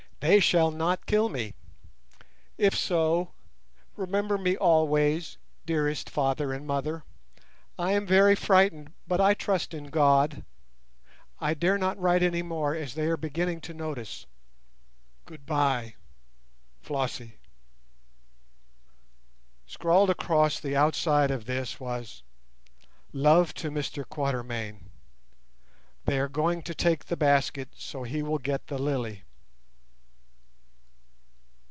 They shall not kill me. If so, remember me always, dearest father and mother. I am very frightened, but I trust in God. I dare not write any more as they are beginning to notice. Goodbye.—FLOSSIE." Scrawled across the outside of this was "Love to Mr Quatermain. They are going to take the basket, so he will get the lily."